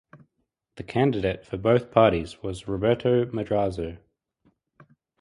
The candidate for both parties was Roberto Madrazo.